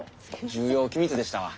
重要機密でしたわ。